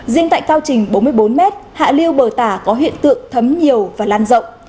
riêng tại cao trình bốn mươi bốn m hạ lưu bờ tả có hiện tượng thấm nhiều và lan rộng